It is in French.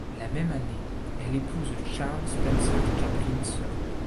La même année, elle épouse Charles Spencer Chaplin Sr.